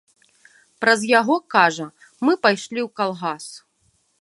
Праз яго, кажа, мы пайшлі ў калгас.